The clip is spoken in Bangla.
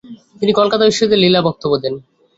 তিনি কলকাতা বিশ্ববিদ্যালয়ে লীলা বক্তব্য দেন।